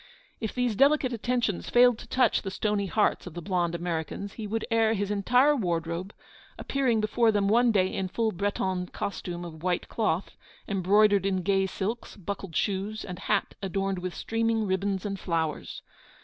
If these delicate attentions failed to touch the stony hearts of the blonde Americans, he would air his entire wardrobe, appearing before them one day in full Breton costume of white cloth, embroidered in gay silks, buckled shoes, and hat adorned with streaming ribbons and flowers.